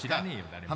誰も。